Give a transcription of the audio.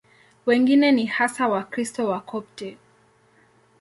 Wengine ni hasa Wakristo Wakopti.